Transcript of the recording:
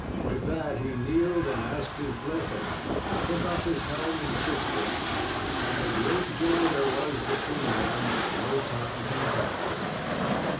With that he kneeled and asked his blessing, and took off his helm and kissed him, and the great joy there was between them no tongue can tell.